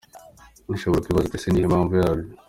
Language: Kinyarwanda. Ushobora kwibaza uti ese ni iyihe mpamvu yabyo?.